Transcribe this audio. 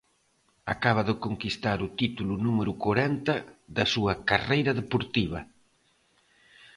Acaba de conquistar o título número corenta da súa carreira deportiva.